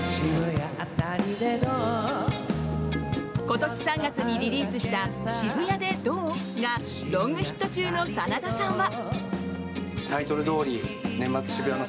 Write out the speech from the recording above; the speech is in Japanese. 今年３月にリリースした「渋谷で・・・どう？」がロングヒット中の真田さんは。